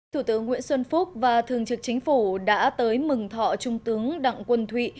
thủ tướng nguyễn xuân phúc và thường trực chính phủ đã tới mừng thọ trung tướng đặng quân thụy